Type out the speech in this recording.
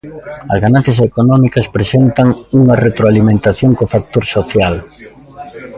As ganancias económicas presentan unha retroalimentación co factor social.